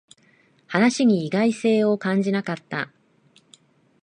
話に意外性を感じなかった